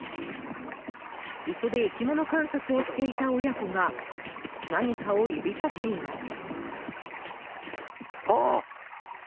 磯で生き物観察をしていた親子が何かを指さしています。